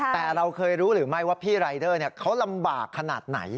แต่เราเคยรู้หรือไม่ว่าพี่รายเดอร์เขาลำบากขนาดไหน